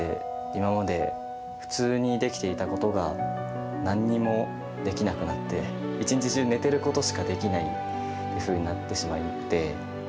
今まで普通にできていたことが、なんにもできなくなって、一日中、寝てることしかできない、そういうふうになってしまって。